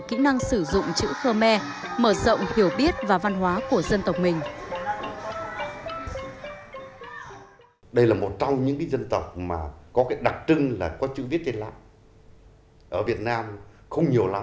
kỹ năng sử dụng chữ khơ me mở rộng hiểu biết và văn hóa của dân tộc mình